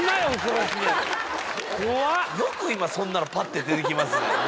よく今そんなのパッて出て来ますね。